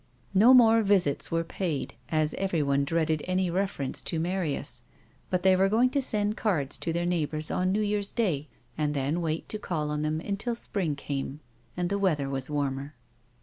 No more visits were paid, as everyone dreaded any refer ence to Marius, but they were going to send cards to their neighbours on New Year's day, and then wait to call on them until spring came, and the weather was warmer.